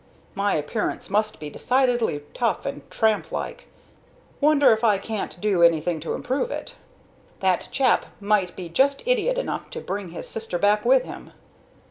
My appearance must be decidedly tough and tramp like. Wonder if I can't do something to improve it? That chap might be just idiot enough to bring his sister back with him."